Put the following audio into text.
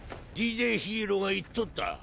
ＤＪヒーローが言っとった。